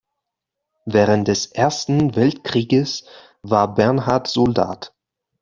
Während des Ersten Weltkrieges war Bernhard Soldat.